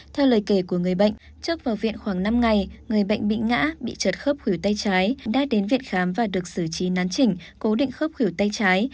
theo lời kể của người bệnh trước vào viện khoảng năm ngày người bệnh bị ngã bị trật khớp khỉu tay trái đã đến viện khám và được xử trí nán chỉnh cố định khớp khỉu tay trái